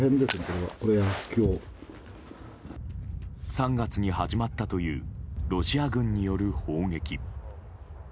３月に始まったというロシア軍による砲撃。